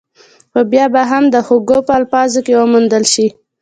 خو بيا به هم د هوګو په الفاظو کې وموندل شي.